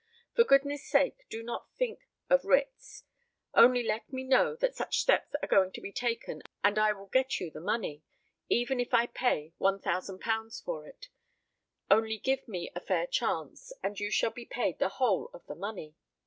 For goodness' sake do not think of writs; only let me know that such steps are going to be taken and I will get you the money, even if I pay £1,000 for it; only give me a fair chance, and you shall be paid the whole of the money."